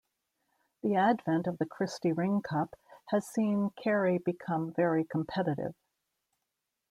The advent of the Christy Ring Cup has seen Kerry become very competitive.